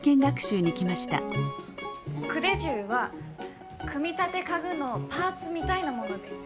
組手什は組み立て家具のパーツみたいなものです。